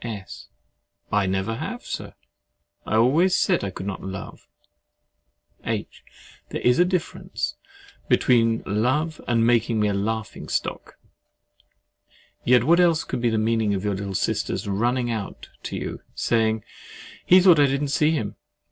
S. I never have, Sir. I always said I could not love. H. There is a difference between love and making me a laughing stock. Yet what else could be the meaning of your little sister's running out to you, and saying "He thought I did not see him!"